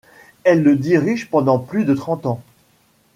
Elle le dirige pendant plus de trente ans.